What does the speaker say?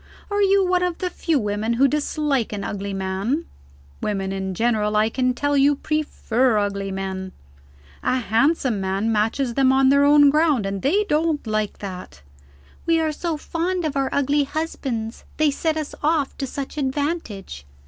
Are you one of the few women who dislike an ugly man? Women in general, I can tell you, prefer ugly men. A handsome man matches them on their own ground, and they don't like that. 'We are so fond of our ugly husbands; they set us off to such advantage.'